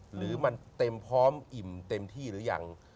หรือมันเต็มพร้อมอิ่มเต็มที่หรือยัง